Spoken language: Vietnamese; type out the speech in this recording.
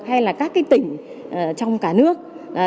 hay là các tỉnh trong cả nước